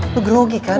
lo grogi kan